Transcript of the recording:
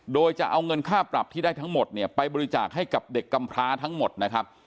โดยจะเอาเงินค่าปรับที่ได้ทั้งหมดเนี่ยไปบริจาคให้กับเด็กกำพร้าทั้งหมดนะครับ